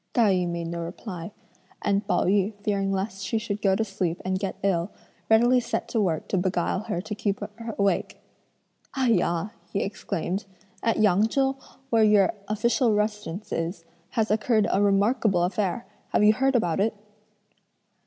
Tai yü made no reply; and Pao yü fearing lest she should go to sleep, and get ill, readily set to work to beguile her to keep awake. "Ai yah!" he exclaimed, "at Yang Chou, where your official residence is, has occurred a remarkable affair; have you heard about it?"